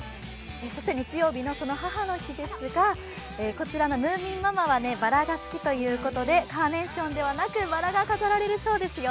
日曜日の母の日ですが、こちらのムーミンママはばらが好きということでカーネーションではなくばらが飾られるそうですよ。